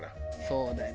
そうだよな。